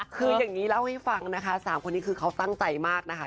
คืออย่างนี้เล่าให้ฟังนะคะ๓คนนี้คือเขาตั้งใจมากนะคะ